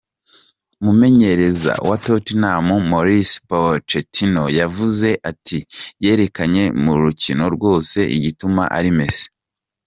Umumenyereza wa Tottenham Maurice Pochettino yavuze ati:"Yerekanye mu rukino rwose igituma ari Messi.